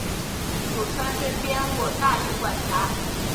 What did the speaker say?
属川滇边务大臣管辖。